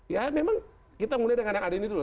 ya memang kita mulai dengan yang ada ini dulu